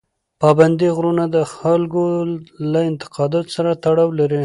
پابندي غرونه د خلکو له اعتقاداتو سره تړاو لري.